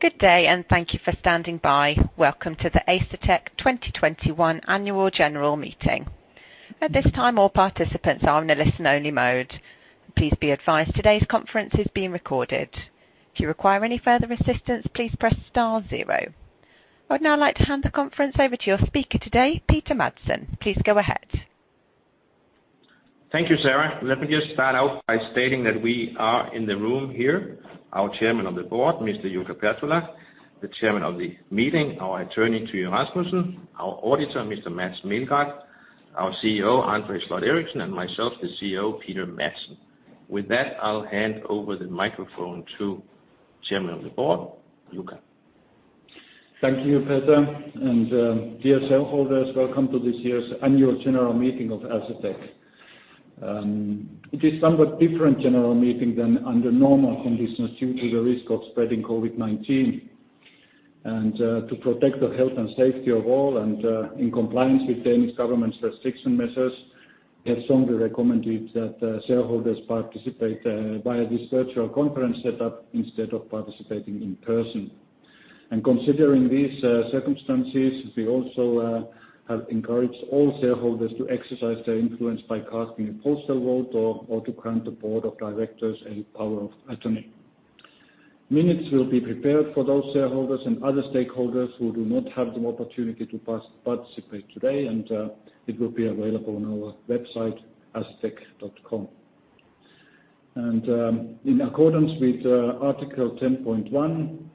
Good day, and thank you for standing by. Welcome to the Asetek 2021 annual general meeting. At this time, all participants are in a listen-only mode. Please be advised today's conference is being recorded. I would now like to hand the conference over to your speaker today, Peter Madsen. Please go ahead. Thank you, Sarah. Let me just start out by stating that we are in the room here, our Chairman of the Board, Mr. Jukka Pertola, the Chairman of the Meeting, our Attorney, Tyge Rasmussen, our Auditor, Mr. Mads Meldgaard, our CEO, André Sloth Eriksen, and myself, the CFO, Peter Madsen. With that, I'll hand over the microphone to Chairman of the Board, Jukka. Thank you, Peter, and dear shareholders, welcome to this year's annual general meeting of Asetek. It is somewhat different general meeting than under normal conditions due to the risk of spreading COVID-19. To protect the health and safety of all, and in compliance with Danish government's restriction measures, we have strongly recommended that shareholders participate via this virtual conference setup instead of participating in person. Considering these circumstances, we also have encouraged all shareholders to exercise their influence by casting a postal vote or to grant the board of directors a power of attorney. Minutes will be prepared for those shareholders and other stakeholders who do not have the opportunity to participate today, and it will be available on our website, asetek.com. In accordance with Article 10.1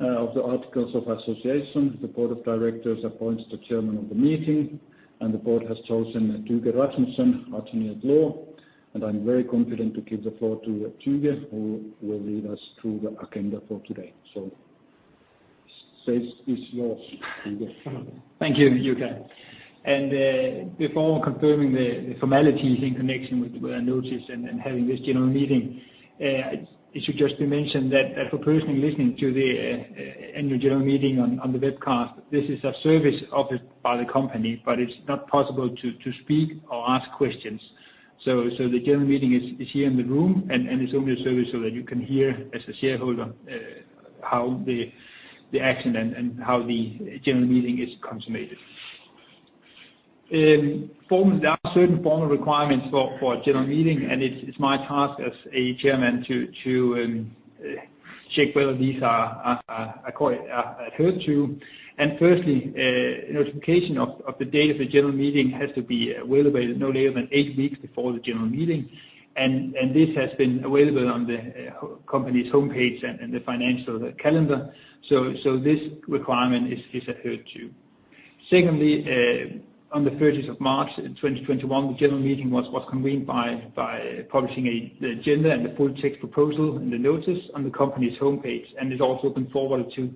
of the Articles of Association, the Board of Directors appoints the Chairman of the Meeting, and the Board has chosen Tyge Rasmussen, attorney at law, and I'm very confident to give the floor to Tyge, who will lead us through the agenda for today. The stage is yours, Tyge. Thank you, Jukka. Before confirming the formalities in connection with the notice and having this general meeting, it should just be mentioned that for personally listening to the annual general meeting on the webcast, this is a service offered by the company, but it is not possible to speak or ask questions. The general meeting is here in the room, and it is only a service so that you can hear as a shareholder how the action and how the general meeting is consummated. There are certain formal requirements for a general meeting, and it is my task as a chairman to check whether these are adhered to. Firstly, notification of the date of the general meeting has to be available no later than eight weeks before the general meeting, and this has been available on the company's homepage and the financial calendar, so this requirement is adhered to. Secondly, on the 30th of March in 2021, the general meeting was convened by publishing the agenda and the full text proposal and the notice on the company's homepage, and it's also been forwarded to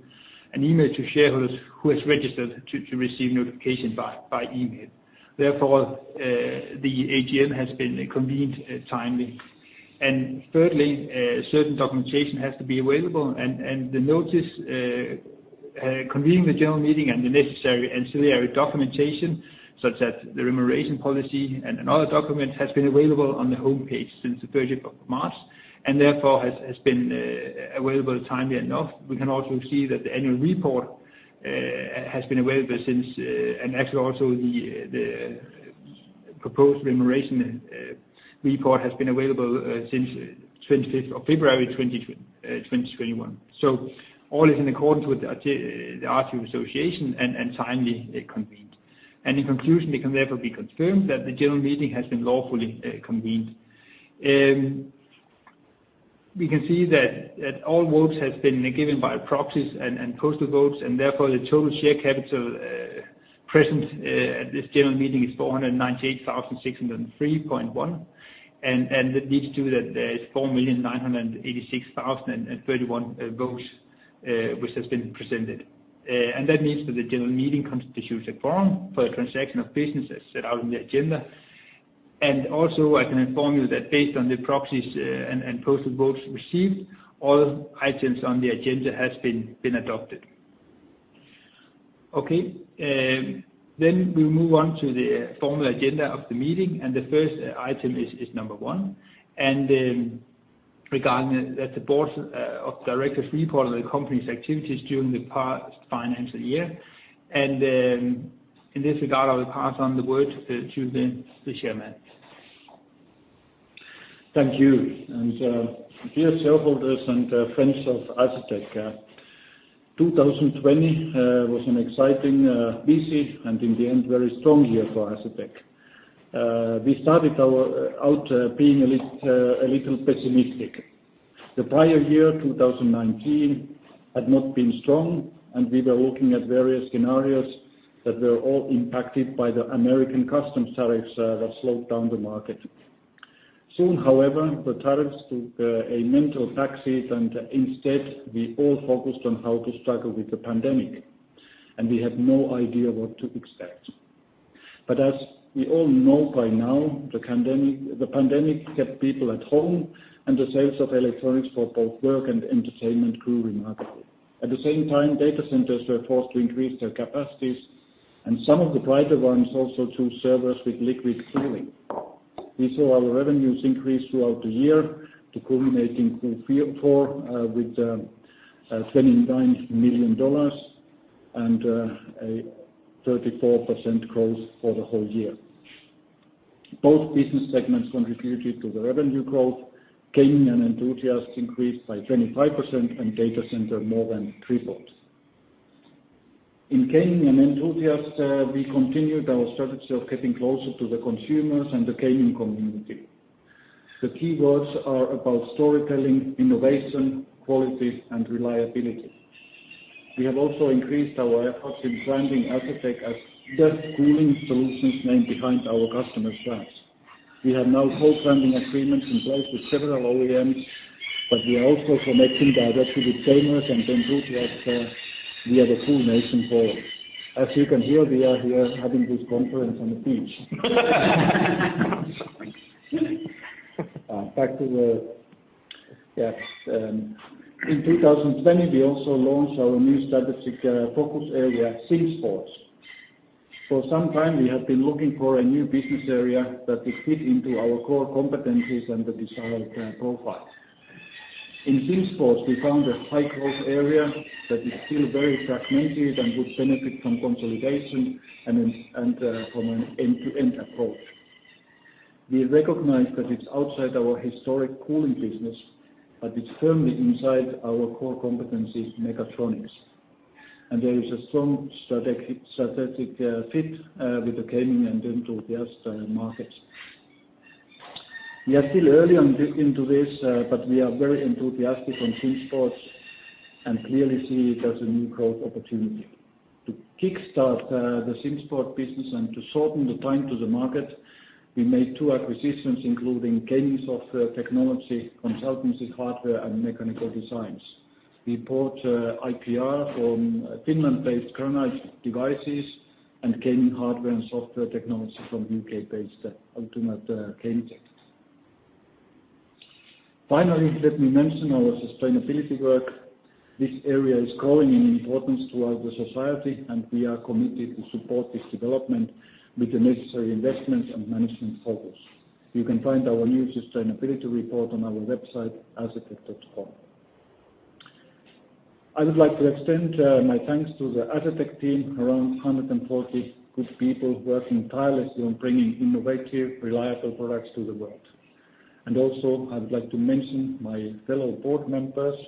an email to shareholders who has registered to receive notification by email. Therefore, the AGM has been convened timely. Thirdly, certain documentation has to be available, and the notice, convening the general meeting and the necessary ancillary documentation such as the remuneration policy and other documents has been available on the homepage since the 30th of March, and therefore has been available timely enough. We can also see that the annual report has been available since, and actually also the proposed remuneration report has been available since February 2021. All is in accordance with the Articles of Association and timely convened. In conclusion, it can therefore be confirmed that the general meeting has been lawfully convened. We can see that all votes have been given by proxies and postal votes, therefore the total share capital present at this general meeting is 498,603.1, that leads to there are 4,986,031 votes which have been presented. That means that the general meeting constitutes a forum for the transaction of business set out in the agenda. Also, I can inform you that based on the proxies and postal votes received, all items on the agenda have been adopted. Okay. We move on to the formal agenda of the meeting, the first item is number one, regarding the Board of Directors' report on the company's activities during the past financial year. In this regard, I will pass on the word to the Chairman. Thank you. Dear shareholders and friends of Asetek, 2020 was an exciting, busy, and in the end, very strong year for Asetek. We started out being a little pessimistic. The prior year, 2019, had not been strong, and we were looking at various scenarios that were all impacted by the American customs tariffs that slowed down the market. Soon, however, the tariffs took a mental back seat, and instead, we all focused on how to struggle with the pandemic, and we had no idea what to expect. As we all know by now, the pandemic kept people at home, and the sales of electronics for both work and entertainment grew remarkably. At the same time, data centers were forced to increase their capacities, and some of the brighter ones also chose servers with liquid cooling. We saw our revenues increase throughout the year to culminating Q4 with $29 million and a 34% growth for the whole year. Both business segments contributed to the revenue growth. Gaming and Enthusiast increased by 25%, and Data Center more than tripled. In Gaming and Enthusiast, we continued our strategy of getting closer to the consumers and the gaming community. The keywords are about storytelling, innovation, quality and reliability. We have also increased our efforts in branding Asetek as the cooling solutions name behind our customers' brands. We have now co-branding agreements in place with several OEMs, but we are also connecting directly with gamers and enthusiasts via the CoolNation Forum. As you can hear, we are here having this conference on the beach. In 2020, we also launched our new strategic focus area, SimSports. For some time, we have been looking for a new business area that would fit into our core competencies and the desired profile. In SimSports, we found a high-growth area that is still very fragmented and would benefit from consolidation and from an end-to-end approach. We recognize that it's outside our historic cooling business, it's firmly inside our core competencies mechatronics. There is a strong strategic fit with the Gaming and Enthusiast markets. We are still early into this, we are very enthusiastic on SimSports and clearly see it as a new growth opportunity. To kickstart the SimSports business and to shorten the time to the market, we made two acquisitions, including gaming software technology, consultancy, hardware, and mechanical designs. We bought IPR from Finland-based Granite Devices and gaming hardware and software technology from U.K.-based Ultimate Game Tech. Finally, let me mention our sustainability work. This area is growing in importance throughout the society, and we are committed to support this development with the necessary investments and management focus. You can find our new sustainability report on our website, asetek.com. I would like to extend my thanks to the Asetek team, around 140 good people working tirelessly on bringing innovative, reliable products to the world. I would like to mention my fellow board members.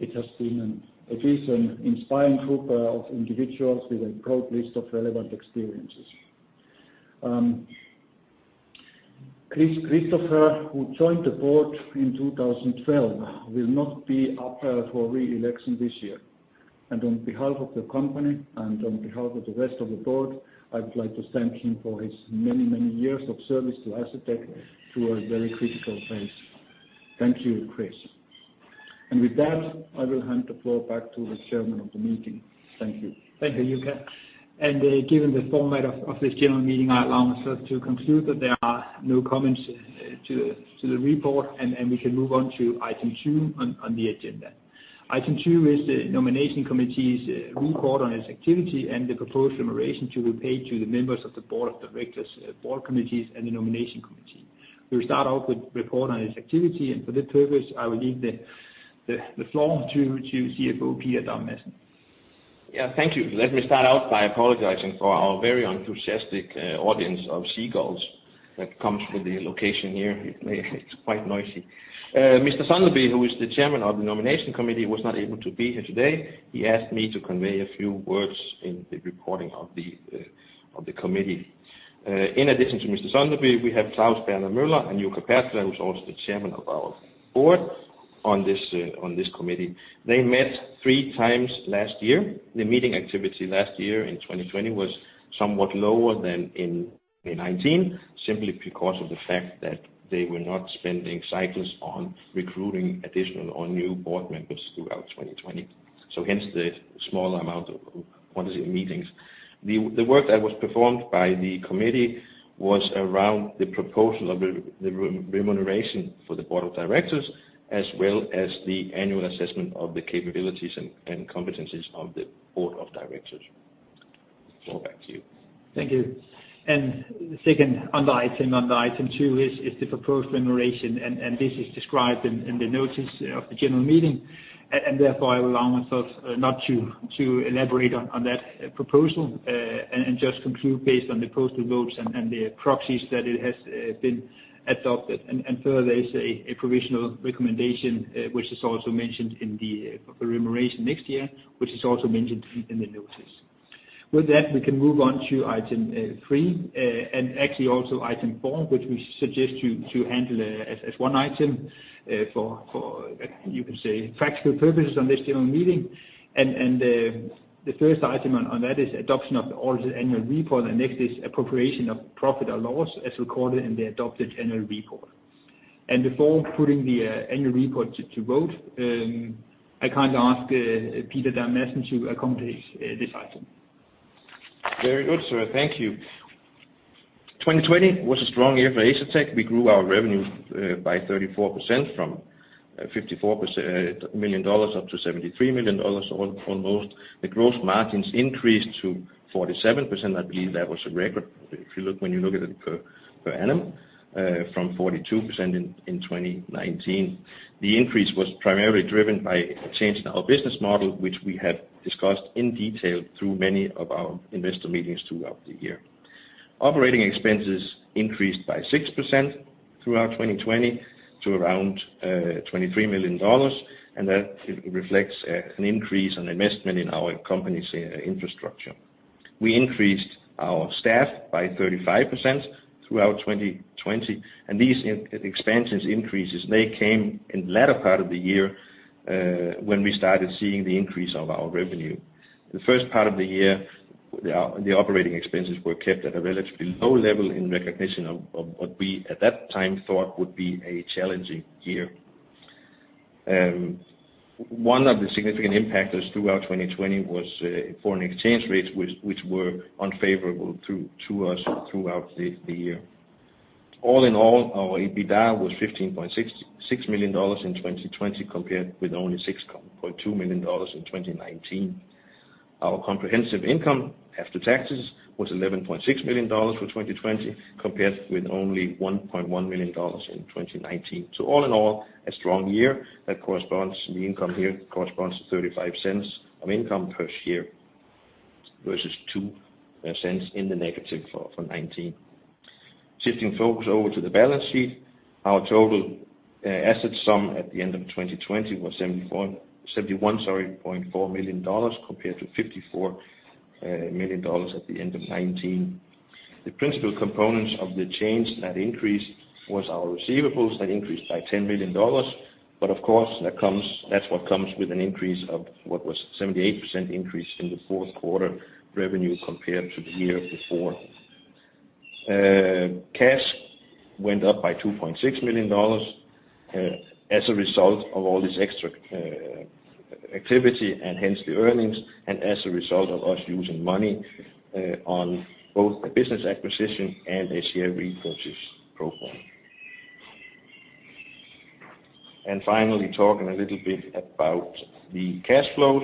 It has been a decent, inspiring group of individuals with a broad list of relevant experiences. Chris Christopher, who joined the board in 2012, will not be up for re-election this year. On behalf of the company and on behalf of the rest of the board, I would like to thank him for his many, many years of service to Asetek through a very critical phase. Thank you, Chris. With that, I will hand the floor back to the chairman of the meeting. Thank you. Thank you, Jukka. Given the format of this general meeting, I allow myself to conclude that there are no comments to the report, and we can move on to item two on the agenda. Item two is the nomination committee's report on its activity and the proposed remuneration to be paid to the members of the board of directors, board committees, and the nomination committee. We'll start out with report on its activity, for that purpose, I will leave the floor to CFO, Peter Dam Madsen. Yeah. Thank you. Let me start out by apologizing for our very enthusiastic audience of seagulls that comes with the location here. It's quite noisy. Mr. Sønderby, who is the Chairman of the Nomination Committee, was not able to be here today. He asked me to convey a few words in the reporting of the committee. In addition to Mr. Sønderby, we have Claus Berner Møller and Jukka Pertola, who's also the Chairman of our Board, on this committee. They met three times last year. The meeting activity last year in 2020 was somewhat lower than in 2019, simply because of the fact that they were not spending cycles on recruiting additional or new board members throughout 2020. Hence the smaller amount of meetings. The work that was performed by the committee was around the proposal of the remuneration for the board of directors, as well as the annual assessment of the capabilities and competencies of the board of directors. Floor back to you. Thank you. Second item on the item two is the proposed remuneration, and this is described in the notice of the general meeting, and therefore I allow myself not to elaborate on that proposal, and just conclude based on the postal votes and the proxies that it has been adopted. Further is a provisional recommendation, which is also mentioned in the remuneration next year, which is also mentioned in the notice. With that, we can move on to item three, and actually also item four, which we suggest you to handle as one item for, you can say practical purposes on this general meeting. The first item on that is adoption of the auditor annual report, and next is appropriation of profit or loss as recorded in the adopted annual report. Before putting the annual report to vote, I kind of ask Peter Dam Madsen to accomplish this item. Very good, sir. Thank you. 2020 was a strong year for Asetek. We grew our revenue by 34%, from $54 million up to $73 million, almost. The gross margins increased to 47%. I believe that was a record, if you look at it per annum, from 42% in 2019. The increase was primarily driven by a change in our business model, which we have discussed in detail through many of our investor meetings throughout the year. Operating expenses increased by 6% throughout 2020 to around $23 million, and that reflects an increase in investment in our company's infrastructure. We increased our staff by 35% throughout 2020, and these expansion increases came in the latter part of the year, when we started seeing the increase of our revenue. The first part of the year, the operating expenses were kept at a relatively low level in recognition of what we, at that time, thought would be a challenging year. One of the significant impactors throughout 2020 was foreign exchange rates, which were unfavorable to us throughout the year. Our EBITDA was $15.6 million in 2020, compared with only $6.2 million in 2019. Our comprehensive income after taxes was $11.6 million for 2020, compared with only $1.1 million in 2019. A strong year. The income here corresponds to $0.35 of income per share, versus $0.02 in the negative for 2019. Shifting focus over to the balance sheet. Our total assets sum at the end of 2020 was $71.4 million, compared to $54 million at the end of 2019. The principal components of the change that increased was our receivables. That increased by $10 million. Of course, that's what comes with an increase of what was 78% increase in the fourth quarter revenue compared to the year before. Cash went up by $2.6 million as a result of all this extra activity, and hence the earnings, and as a result of us using money on both the business acquisition and share repurchase program. Finally, talking a little bit about the cash flows.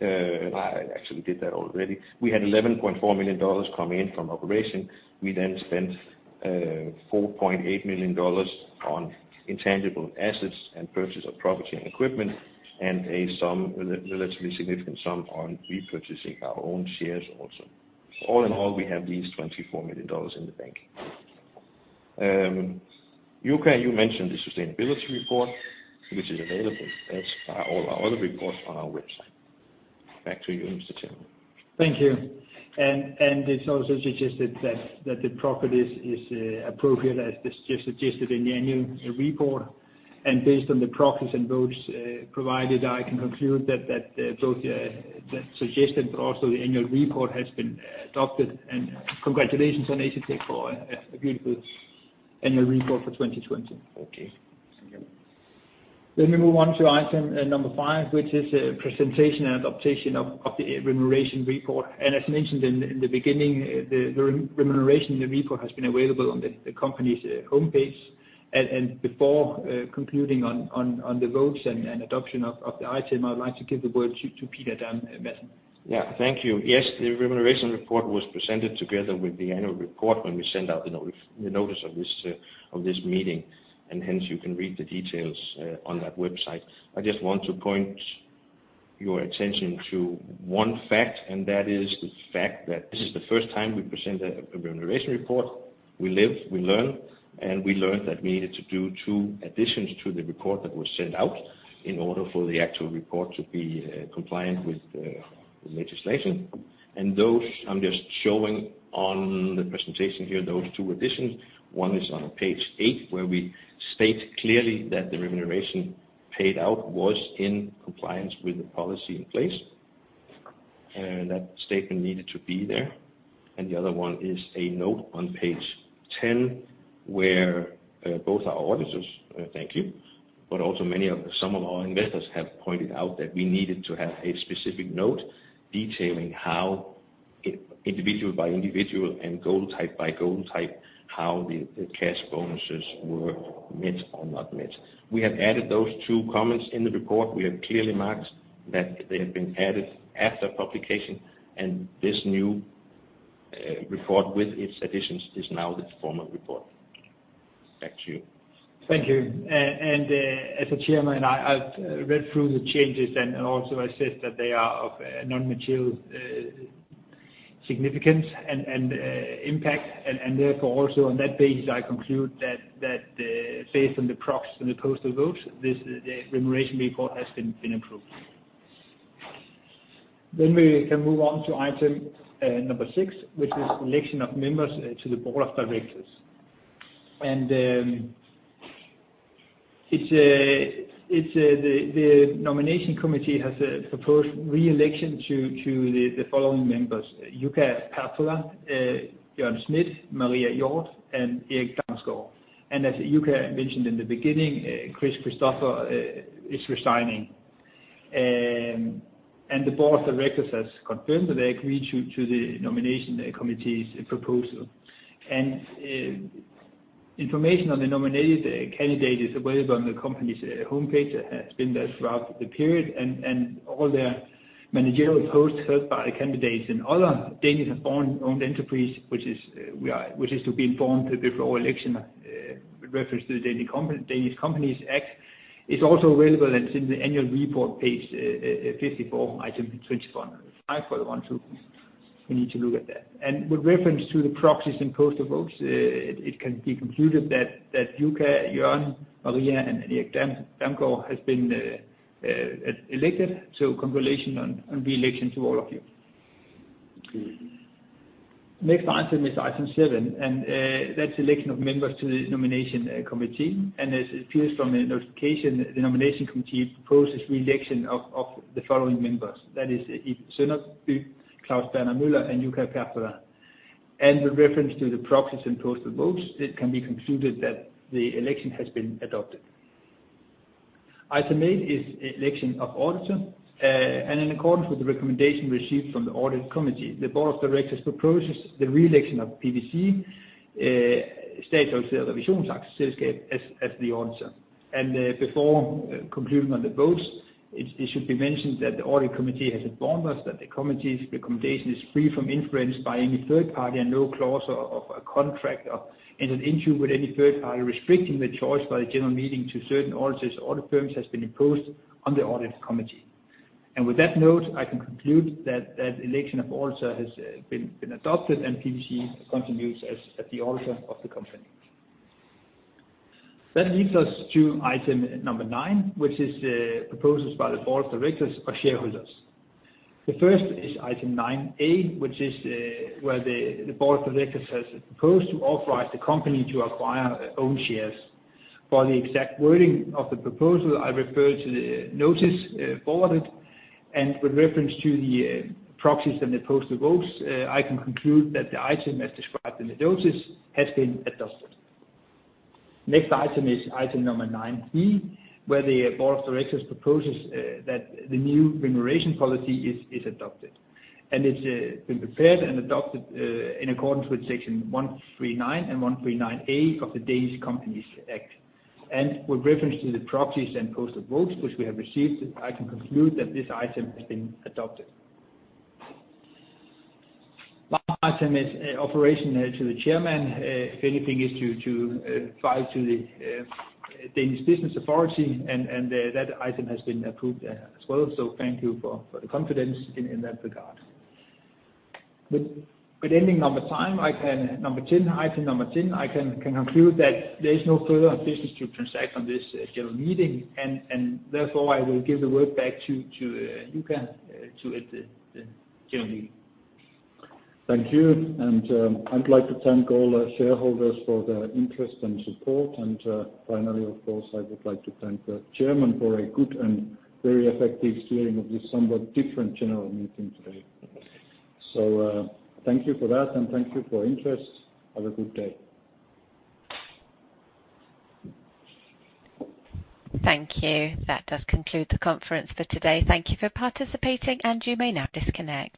I actually did that already. We had $11.4 million come in from operation. We then spent $4.8 million on intangible assets and purchase of property and equipment, and a relatively significant sum on repurchasing our own shares also. All in all, we have these $24 million in the bank. Jukka, you mentioned the sustainability report, which is available, as are all our other reports, on our website. Back to you, Mr. Chairman. Thank you. It's also suggested that the profit is appropriate, as just suggested in the annual report. Based on the proxies and votes provided, I can conclude that both the suggestion but also the annual report has been adopted. Congratulations on Asetek for a beautiful annual report for 2020. Okay. Thank you. We move on to item number five, which is a presentation and adoption of the remuneration report. As mentioned in the beginning, the remuneration report has been available on the company's homepage. Before concluding on the votes and adoption of the item, I would like to give the word to Peter Dam Madsen. Yeah. Thank you. Yes, the remuneration report was presented together with the annual report when we sent out the notice of this meeting, and hence, you can read the details on that website. I just want to point your attention to one fact, and that is the fact that this is the first time we present a remuneration report. We live, we learn, and we learned that we needed to do two additions to the report that was sent out in order for the actual report to be compliant with the legislation. Those, I'm just showing on the presentation here, those two additions. One is on page eight, where we state clearly that the remuneration paid out was in compliance with the policy in place. That statement needed to be there. The other one is a note on page 10, where both our auditors thank you, but also some of our investors have pointed out that we needed to have a specific note detailing how, individual by individual and goal type by goal type, how the cash bonuses were met or not met. We have added those two comments in the report. We have clearly marked that they have been added after publication, and this new report with its additions is now the formal report. Back to you. Thank you. As the Chairman, I've read through the changes, and also assessed that they are of non-material significance and impact. Therefore, also on that basis, I conclude that based on the proxies and the posted votes, this remuneration report has been approved. We can move on to item number six, which is election of members to the Board of Directors. The Nomination Committee has proposed re-election to the following members: Jukka Pertola, Jørgen Smidt, Maria Hjorth, and Erik Damsgaard. As Jukka Pertola mentioned in the beginning, Chris Christopher is resigning. The Board of Directors has confirmed that they agree to the Nomination Committee's proposal. Information on the nominated candidate is available on the company's homepage, has been there throughout the period, and all the managerial posts held by the candidates in other Danish-owned enterprise, which is to be informed before election, with reference to the Danish Companies Act, is also available and it's in the annual report, page 54, item 21.5 for the ones who need to look at that. With reference to the proxies and posted votes, it can be concluded that Jukka, Jørgen, Maria, and Erik Damsgaard has been elected. Congratulations on the election to all of you. Next item is item seven, and that's election of members to the nomination committee. As it appears from the notification, the nomination committee proposes reelection of the following members. That is, Ib Sønderby, Claus Berner Møller, and Jukka Pertola. With reference to the proxies and posted votes, it can be concluded that the election has been adopted. Item eight is election of auditor. In accordance with the recommendation received from the audit committee, the board of directors proposes the reelection of PwC, Statsautoriseret Revisionspartnerselskab, as the auditor. Before concluding on the votes, it should be mentioned that the audit committee has informed us that the committee's recommendation is free from influence by any third party and no clause of a contract and an issue with any third party restricting the choice by the general meeting to certain auditors or audit firms has been imposed on the audit committee. With that note, I can conclude that election of auditor has been adopted, and PwC continues as the auditor of the company. That leads us to item number nine, which is proposals by the board of directors or shareholders. The first is item 9A, which is where the board of directors has proposed to authorize the company to acquire own shares. For the exact wording of the proposal, I refer to the notice forwarded. With reference to the proxies and the posted votes, I can conclude that the item, as described in the notice, has been adopted. Next item is item number 9B, where the board of directors proposes that the new remuneration policy is adopted. It's been prepared and adopted in accordance with Section 139 and 139a of the Danish Companies Act. With reference to the proxies and posted votes, which we have received, I can conclude that this item has been adopted. Last item is remuneration to the chairman. If anything is to advise to the Danish Business Authority, and that item has been approved as well. Thank you for the confidence in that regard. With ending item number 10, I can conclude that there is no further business to transact on this general meeting, and therefore I will give the word back to Jukka to end the general meeting. Thank you. I'd like to thank all our shareholders for their interest and support. Finally, of course, I would like to thank the chairman for a good and very effective steering of this somewhat different general meeting today. Thank you for that, and thank you for interest. Have a good day. Thank you. That does conclude the conference for today. Thank you for participating, and you may now disconnect.